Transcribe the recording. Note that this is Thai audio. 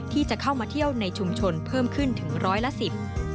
ที่จะเข้ามาเที่ยวในชุมชนเพิ่มขึ้นถึงร้อยละสิบ